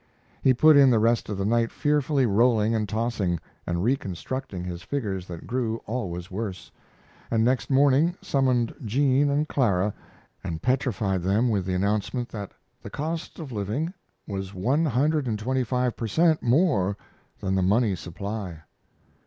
He put in the rest of the night fearfully rolling and tossing, and reconstructing his figures that grew always worse, and next morning summoned Jean and Clara and petrified them with the announcement that the cost of living was one hundred and twenty five per cent. more than the money supply.